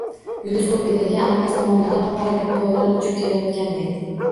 Yulduz ko‘p edi, lekin allaqaysi tomonlardan qop-qora bir bo‘ron uchib kelayotganday